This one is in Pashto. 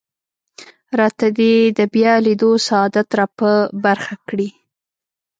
راته دې د بیا لیدو سعادت را په برخه کړي.